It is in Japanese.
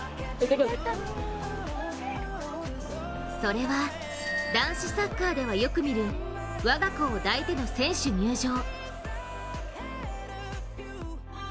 それは、男子サッカーではよく見る我が子を抱いての選手入場。